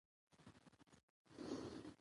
زه باید د اضطراب مخنیوي لپاره لارې ومومم.